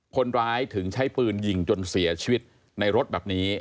คนร้ายถึงใช้ปืนยิงจนเสียชีวิตในรถแบบนี้